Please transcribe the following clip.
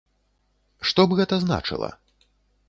Што б гэта значыла?